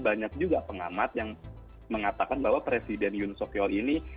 banyak juga pengamat yang mengatakan bahwa presiden yun sok you ini